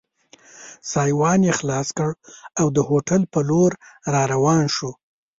سایوان یې خلاص کړ او د هوټل په لور را روان شو.